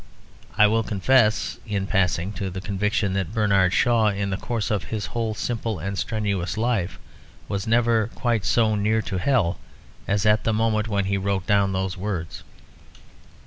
I will confess, in passing, to the conviction that Bernard Shaw in the course of his whole simple and strenuous life was never quite so near to hell as at the moment when he wrote down those words.